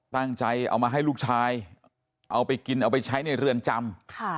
ตั้งใจเอามาให้ลูกชายเอาไปกินเอาไปใช้ในเรือนจำ